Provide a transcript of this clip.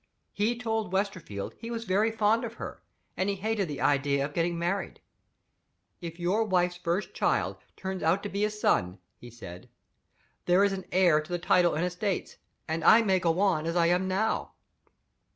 He told Westerfield he was very fond of her, and he hated the idea of getting married. 'If your wife's first child turns out to be a son,' he said, 'there is an heir to the title and estates, and I may go on as I am now.